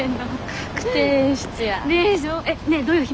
確定演出や。